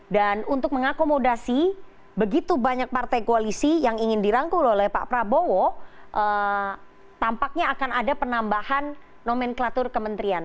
dan untuk mengakomodasi begitu banyak partai koalisi yang ingin dirangkul oleh pak prabowo tampaknya akan ada penambahan nomenklatur kementerian